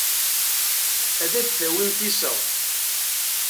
Ad d-tawimt iseɣ.